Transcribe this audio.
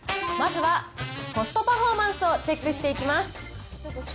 まずはコストパフォーマンスをチェックしていきます。